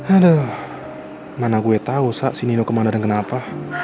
aduh mana gue tahu sak si nino kemana dan kenapa